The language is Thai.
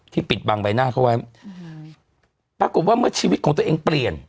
ปิดบังใบหน้าเขาไว้ปรากฏว่าเมื่อชีวิตของตัวเองเปลี่ยน